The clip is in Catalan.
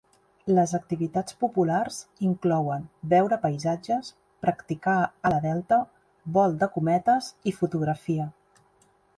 Les activitats populars inclouen veure paisatges, practicar ala delta, vol de cometes i fotografia.